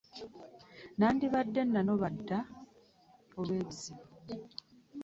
Nandibadde nanoba dda olw'ebizibu.